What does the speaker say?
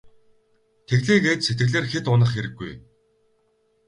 Тэглээ гээд сэтгэлээр хэт унах хэрэггүй.